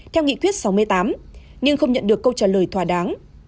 theo nghị quyết sáu mươi tám nhưng không nhận được câu trả lời thỏa đáng